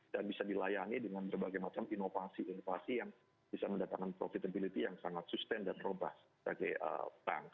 dan bisa dilayani dengan berbagai macam inovasi inovasi yang bisa mendatangkan profitability yang sangat sustain dan robust